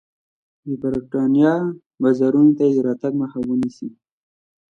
د برېټانیا بازارونو ته یې د راتګ مخه ونیسي.